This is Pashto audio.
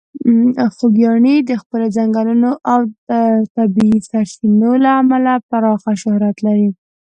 خوږیاڼي د خپلې ځنګلونو او د طبیعي سرچینو له امله پراخه شهرت لري.